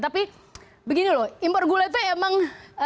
tapi begini loh impor gula itu emang